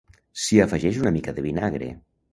s'hi afegeix una mica de vinagre